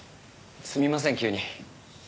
すみません急に。